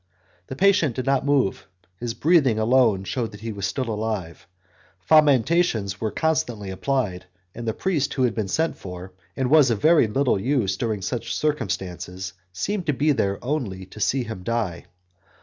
The patient did not move; his breathing alone shewed that he was still alive; fomentations were constantly applied, and the priest who had been sent for, and was of very little use under such circumstances, seemed to be there only to see him die.